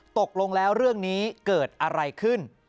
ตกลงแล้วเรื่องนี้เกิดอะไรขึ้น